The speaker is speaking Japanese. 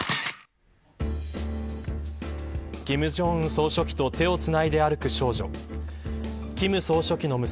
金正恩総書記と手をつないで歩く少女金総書記の娘